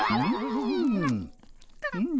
うん！